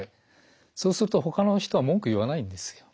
そうするとほかの人は文句言わないんですよ。